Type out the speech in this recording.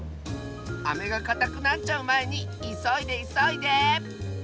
アメがかたくなっちゃうまえにいそいでいそいで！